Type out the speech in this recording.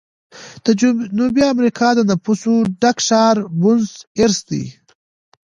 د جنوبي امریکا د نفوسو ډک ښار بونس ایرس دی.